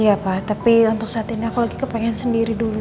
iya pak tapi untuk saat ini aku lagi kepengen sendiri dulu